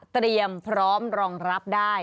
เตรียมพร้อมรองรับได้